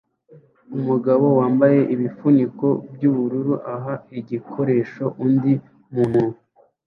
Umugabo wambaye ibifuniko byubururu aha igikoresho undi muntu